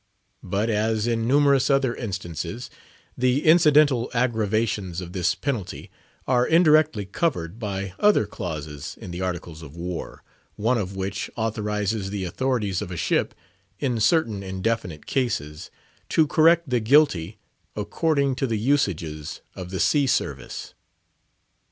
But as in numerous other instances, the incidental aggravations of this penalty are indirectly covered by other clauses in the Articles of War: one of which authorises the authorities of a ship—in certain indefinite cases—to correct the guilty "according to the usages of the sea service."